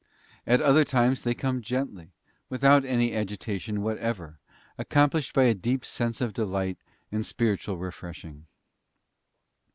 At other times they come gently, without any agitation what ever, accompanied by a deep sense of delight and spiritual refreshing.